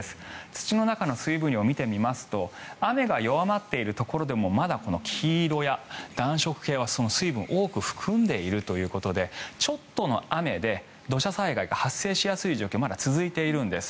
土の中の水分量を見てみますと雨が弱まっているところでもまだこの黄色や暖色系はその水分を多く含んでいるということでちょっとの雨で土砂災害が発生しやすい状況がまだ続いているんです。